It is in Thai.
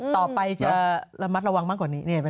ต่อไปจะระมัดระวังมากกว่านี้